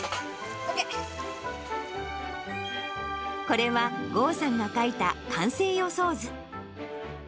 これは、豪さんが描いた完成予想図。